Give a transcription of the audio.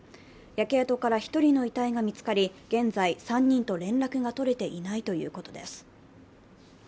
焼け跡から１人の遺体が見つかり現在、３人と連絡が取れていないということです。